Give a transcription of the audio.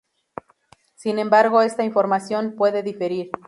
Sin embargo esta información puede diferir.